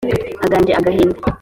aganje agahinda